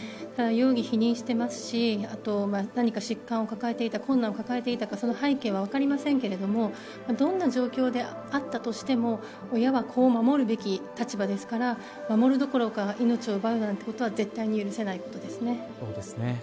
ただ、容疑否認してますし何か疾患を抱えていた困難を抱えていたかその背景は分かりませんがどんな状況であったとしても親は子を守るべき立場ですから守るどころか命を奪うなんてことは絶対に許せないことですね。